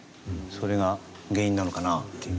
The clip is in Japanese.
それが原因なのかなっていう。